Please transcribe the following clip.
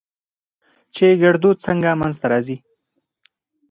چې ګړدود څنګه منځ ته راځي؟